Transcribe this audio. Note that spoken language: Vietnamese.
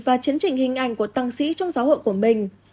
và chấn chỉnh hình ảnh của tăng sĩ trong giáo hội của mình